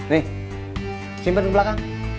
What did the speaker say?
nih simpen di belakang